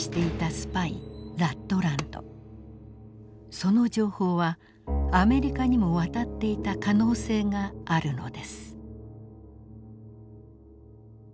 その情報はアメリカにも渡っていた可能性があるのです。